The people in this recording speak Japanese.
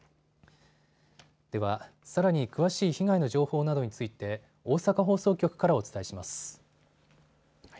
では、さらに詳しい被害の情報などについて大阪放送局からお伝えします。